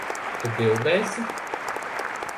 Tu bildēsi.